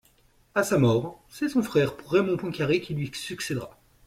À sa mort, c'est son frère Raymond Poincaré qui lui succèdera.